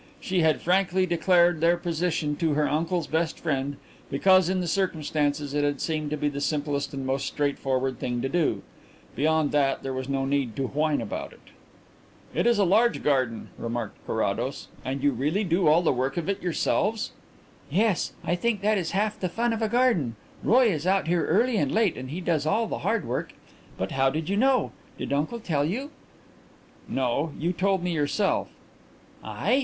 She had frankly declared their position to her uncle's best friend because in the circumstances it had seemed to be the simplest and most straightforward thing to do; beyond that, there was no need to whine about it. "It is a large garden," remarked Carrados. "And you really do all the work of it yourselves?" "Yes; I think that is half the fun of a garden. Roy is out here early and late and he does all the hard work. But how did you know? Did uncle tell you?" "No; you told me yourself." "I?